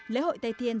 lễ hội tây thiên